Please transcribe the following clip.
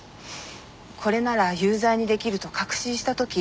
これなら有罪に出来ると確信した時。